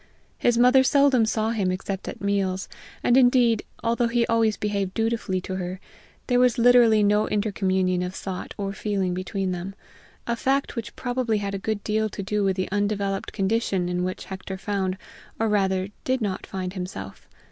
His mother seldom saw him except at meals, and, indeed, although he always behaved dutifully to her, there was literally no intercommunion of thought or feeling between them a fact which probably had a good deal to do with the undeveloped condition in which Hector found, or rather, did not find himself.